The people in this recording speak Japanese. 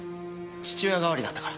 父親代わりだったから。